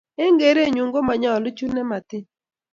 Eng kerenyuu ko manyolu chu nemotiny